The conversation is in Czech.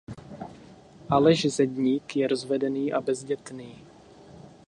Aleš Zedník je rozvedený a bezdětný.